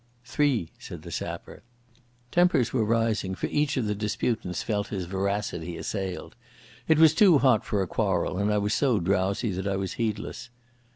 "Three," said the sapper. Tempers were rising, for each of the disputants felt his veracity assailed. It was too hot for a quarrel and I was so drowsy that I was heedless.